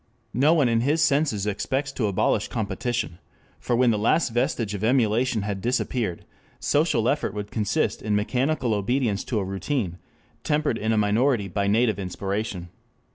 No one in his senses expects to "abolish competition," for when the last vestige of emulation had disappeared, social effort would consist in mechanical obedience to a routine, tempered in a minority by native inspiration.